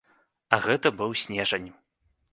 А гэта быў снежань.